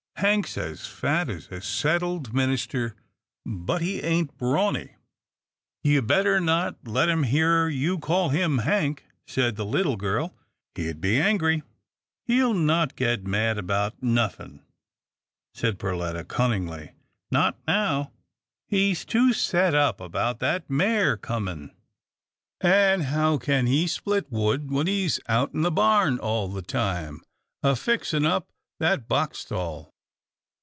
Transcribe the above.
Hank's as fat as a settled minister, but he ain't brawny." 31 32 'TILDA JANE'S ORPHANS " You'd better not let him hear you call him Hank," said the little girl. " He'd be angry." " He'll not git mad about nothin'," said Perletta, cunningly, not now. He's too set up about that mare comin' — an' how can he split wood when he's out in the barn all the time, a fixing up that box stall?"